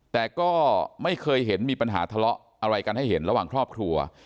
แต่ก็ไม่เคยเห็นมีปัญหาทะเลาะอะไรกันให้เห็นระหว่างครอบครัว